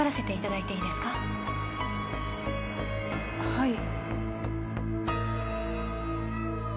はい。